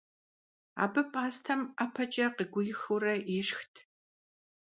Абы пӀастэм ӀэпэкӀэ къыгуихыурэ ишхт.